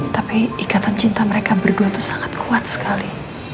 tapi ikatan cinta mereka berdua itu sangat kuat sekali